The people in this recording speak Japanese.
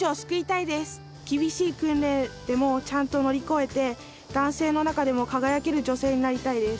厳しい訓練でもちゃんと乗り越えて男性の中でも輝ける女性になりたいです。